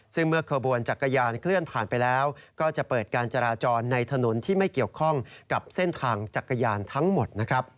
ซึ่งเมื่อขบวนจักรยานเคลื่อนผ่านไปแล้วก็จะเปิดการจราจรในถนนที่ไม่เกี่ยวข้องกับเส้นทางจักรยานทั้งหมดนะครับ